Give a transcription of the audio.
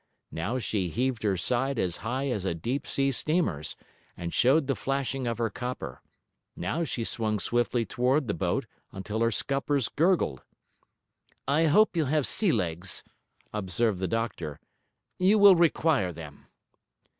Now she heaved her side as high as a deep sea steamer's, and showed the flashing of her copper; now she swung swiftly toward the boat until her scuppers gurgled. 'I hope you have sea legs,' observed the doctor. 'You will require them.'